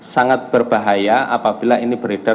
sangat berbahaya apabila ini beredar